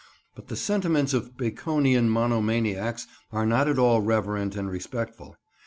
But the sentiments of Baconian mono maniacs are not at all reverent and respectful.